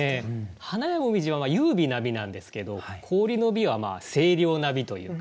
花や紅葉は優美な美なんですけど氷の美は清涼な美というか。